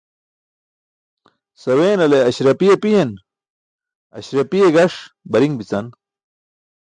Saweenale ásrapi apiyen, aśrapiye gaṣ bari̇n bi̇can.